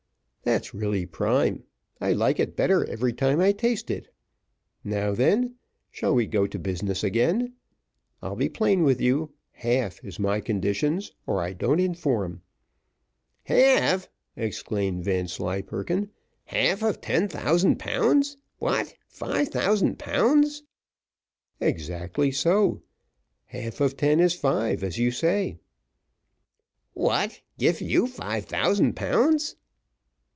"That's really prime; I like it better every time I taste it. Now, then, shall we go to business again? I'll be plain with you. Half is my conditions, or I don't inform." "Half!" exclaimed Vanslyperken; "half of ten thousand pounds? What, five thousands pounds?" "Exactly so; half of ten is five, as you say." "What, give you five thousand pounds?"